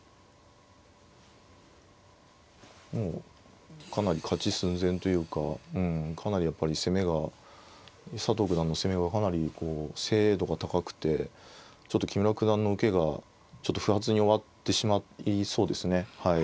もうかなり勝ち寸前というかうんかなりやっぱり攻めが佐藤九段の攻めがかなりこう精度が高くてちょっと木村九段の受けが不発に終わってしまいそうですね。